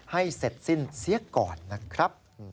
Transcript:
ให้เสร็จสิ้นเสียก่อนนะครับ